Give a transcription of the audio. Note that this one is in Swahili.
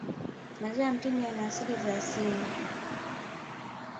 maziwa ya mtindi yana asidi za asili